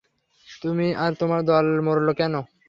তুমি আর তোমার দল মরলো কেন?